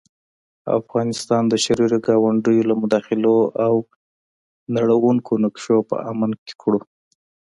او افغانستان د شريرو ګاونډيو له مداخلو او نړوونکو نقشو په امن کې کړو